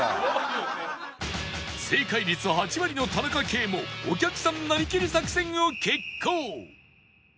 正解率８割の田中圭もお客さんなりきり作戦を決行！